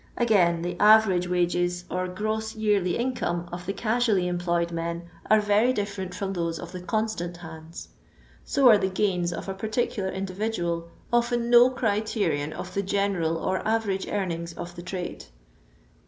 Again, the average wages, or gross yearly income of the casually employed men, are very diflSerent from thoae of the constant hands; so are the gains of a par ticular individual often no criterion of the general or average earnings of the trade.